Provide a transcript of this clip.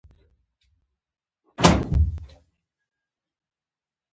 تمدن د ګډو هڅو پایله ده.